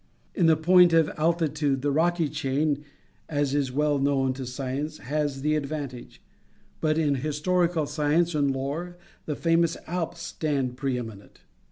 In the point of altitude, the Rocky chain, as is well known to science, has the advantage; but, in historical science and lore, the famous Alps stand preeminent.